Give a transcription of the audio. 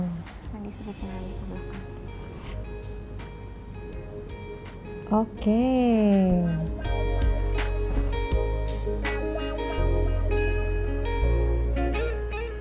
bisa disini ke belakang